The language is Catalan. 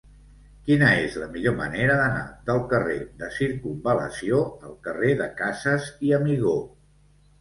Quina és la millor manera d'anar del carrer de Circumval·lació al carrer de Casas i Amigó?